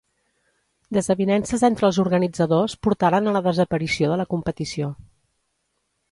Desavinences entre els organitzadors portaren a la desaparició de la competició.